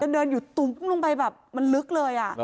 เดินอยู่ตุ้มลงไปแบบมันลึกเลย